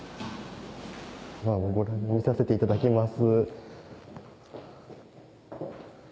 見させていただきます。